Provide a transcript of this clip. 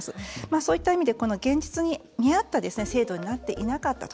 そういった意味で現実に見合った制度になっていなかったと。